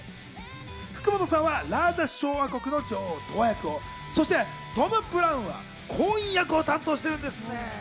福本さんはラージャ小亜国の女王・トワ役を、そしてトム・ブラウンは鉱員役を担当しているんですね。